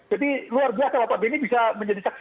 jadi luar biasa pak beni bisa menjadi saksi